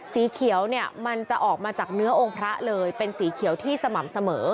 สีเขียวเนี่ยมันจะออกมาจากเนื้อองค์พระเลยเป็นสีเขียวที่สม่ำเสมอ